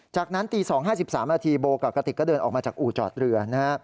จากนั้นตี๒๕๓นาทีโบกับกะติกก็เดินออกมาจากอู่จอดเรือ